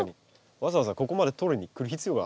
わざわざここまで取りにくる必要が。